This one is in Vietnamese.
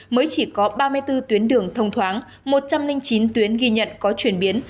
mới chỉ có ba mươi bốn tuyến đường thông thoáng một trăm linh chín tuyến ghi nhận có chuyển biến